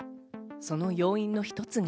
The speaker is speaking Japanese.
その要因の一つが。